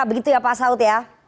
begitu ya pak saud